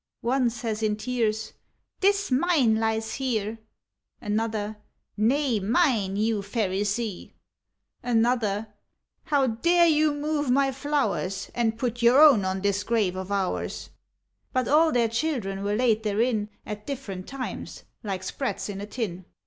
One says in tears, ''Tis mine lies here!' Another, 'Nay, mine, you Pharisee!' Another, 'How dare you move my flowers And put your own on this grave of ours!' But all their children were laid therein At different times, like sprats in a tin.